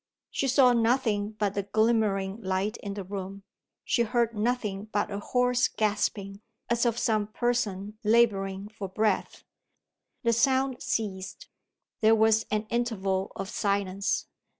She saw nothing but the glimmering light in the room; she heard nothing but a hoarse gasping, as of some person laboring for breath. The sound ceased. There was an interval of silence.